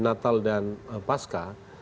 natal dan pasca